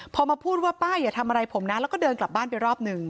พอมาพูดว่าป้าอย่าทำอะไรผมนะแล้วก็เดินกลับบ้านไปรอบหนึ่ง